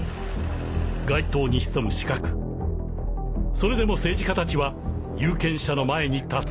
それでも政治家たちは有権者の前に立つ